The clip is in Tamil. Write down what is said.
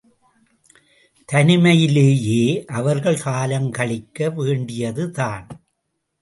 தனிமையிலேயே அவர்கள் காலம் கழிக்க வேண்டியதுதான்.